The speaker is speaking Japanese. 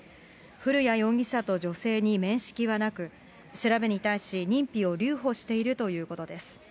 古屋容疑者と女性に面識はなく、調べに対し認否を留保しているということです。